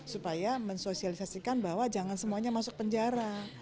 supaya mensosialisasikan bahwa jangan semuanya masuk penjara